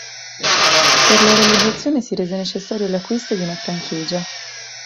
Per la realizzazione si rese necessario l'acquisto di una franchigia.